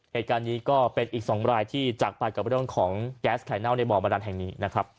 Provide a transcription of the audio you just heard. เหตุการณ์นี้ก็เป็นอีก๒รายที่จักรปรากฎกับวิธีของแก๊สไข่เน่าในบ่อบรรดันแห่งนี้